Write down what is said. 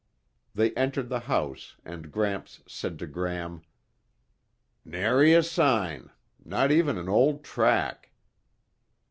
They entered the house and Gramps said to Gram, "Nary a sign, not even an old track